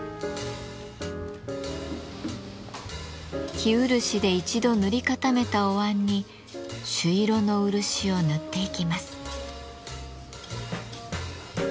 生漆で一度塗り固めたおわんに朱色の漆を塗っていきます。